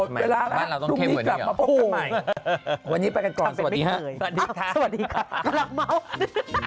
เวลาแล้วพรุ่งนี้กลับมาพบกันใหม่วันนี้ไปกันก่อนสวัสดีค่ะสวัสดีค่ะสวัสดีค่ะกลับมา